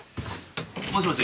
もしもし？